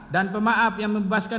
dan pemaaf yang membebaskan